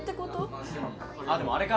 うんあっでもあれかな